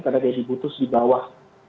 karena dia diputus di bawah